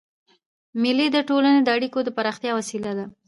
مېلې د ټولني د اړیکو د پراختیا وسیله ده.